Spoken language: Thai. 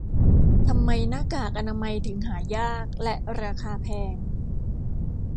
ทำไมหน้ากากอนามัยถึงหายากและราคาแพง